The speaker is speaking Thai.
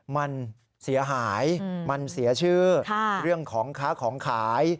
มันเสียหายมันเสียชื่อเรื่องของค้าของขาย